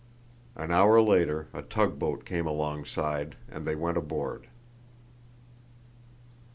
An hour later a tug boat came alongside, and they went aboard.